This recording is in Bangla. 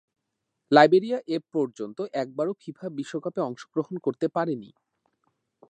লাইবেরিয়া এপর্যন্ত একবারও ফিফা বিশ্বকাপে অংশগ্রহণ করতে পারেনি।